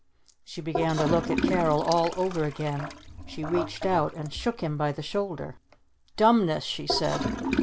She began to look at Carol all over again. She reached out and shook him by the shoulder. "Dumbness!" she said.